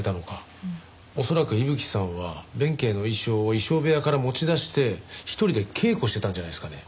恐らく伊吹さんは弁慶の衣装を衣装部屋から持ち出して一人で稽古してたんじゃないですかね。